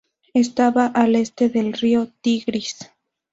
Estaba al este del río Tigris.